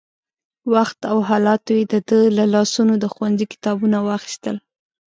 وخت او حالاتو يې د ده له لاسونو د ښوونځي کتابونه واخيستل.